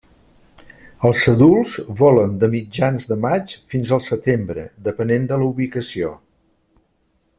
Els adults volen de mitjans de maig fins al setembre, depenent de la ubicació.